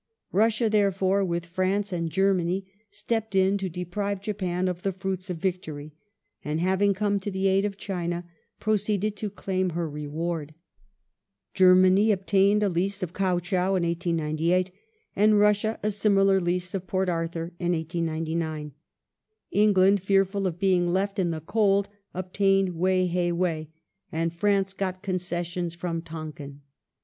Russia, therefore, with France and Germany, stepped in to deprive Japan of the fruits of victory, and, having come to the aid of China, proceeded to claim her reward. Germany obtained a lease of Kiao Chow in 1898 and Russia a similar lease of Port Arthur in 1899. England, fearful of being left in the cold, ob tained Wei hei Wei, and France got concessions near Tonkin.